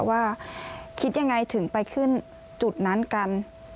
ว่าคิดยังไงถึงไปขึ้นจุดนั้นกัน